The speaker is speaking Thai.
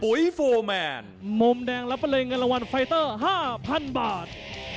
ปุ๊ยโฟร์แมนมมแดงรับเป็นเรียงเงินรางวัลไฟเตอร์ห้าพันบาท